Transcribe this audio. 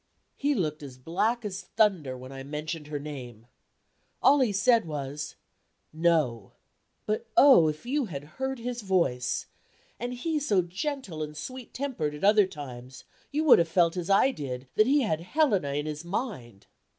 He looked as black as thunder when I mentioned her name. All he said was, "No!" But, oh, if you had heard his voice and he so gentle and sweet tempered at other times you would have felt, as I did, that he had Helena in his mind!